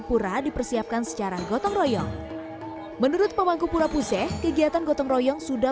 pura dipersiapkan secara gotong royong menurut pemangku pura puseh kegiatan gotong royong sudah